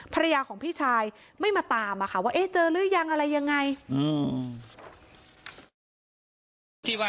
ภรรยาของพี่ชายไม่มาตามว่าเจอหรือยังอะไรยังไง